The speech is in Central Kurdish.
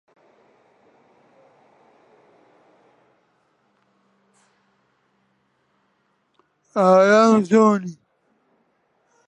پاش دوو ڕۆژ عیرفانی تەلەفۆنی کرد.